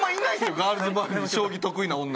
ガールズバーで将棋得意な女。